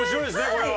これは。